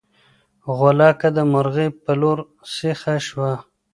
غولکه د مرغۍ په لور سیخه شوه.